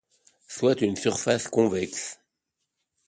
Soit une surface convexe.